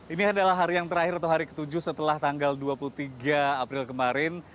ini adalah hari yang terakhir atau hari ke tujuh setelah tanggal dua puluh tiga april kemarin